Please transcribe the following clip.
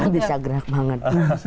belum bisa gerak banget